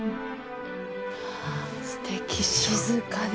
すてき静かで。